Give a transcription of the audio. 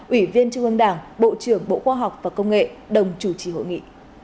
ủy viên trung ương đảng bộ trưởng bộ khoa học và công nghệ đồng chủ trì hội nghị